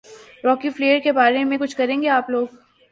راکی Flair کے بارے میں کچھ کریں گے آپ لوگ